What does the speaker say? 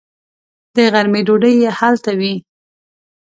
د غرمې ډوډۍ یې هلته وي.